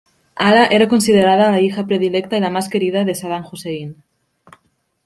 Hala era considerada la hija predilecta y la más querida de Saddam Hussein.